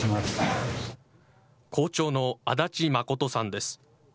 校長の足立誠さんです。